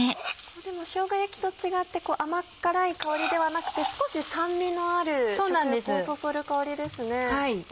でもしょうが焼きと違って甘辛い香りではなくて少し酸味のある食欲をそそる香りですね。